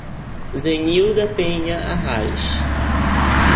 Zenilda Penha Arraes